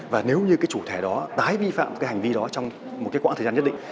và nếu như cái chủ thể đó tái vi phạm cái hành vi đó trong một cái quãng thời gian nhất định